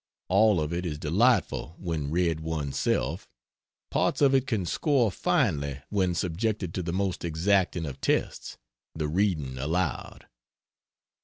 All of it is delightful when read one's self, parts of it can score finely when subjected to the most exacting of tests the reading aloud.